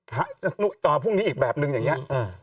ถ้าพรุ่งนี้อีกแบบนึงอย่างนี้